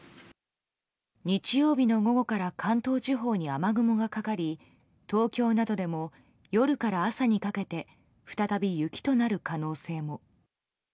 日曜日の午後から関東地方に雨雲がかかり東京などでも夜から朝にかけて再び雪となる可能性も。